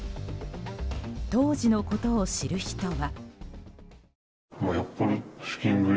当時のことを知る人は。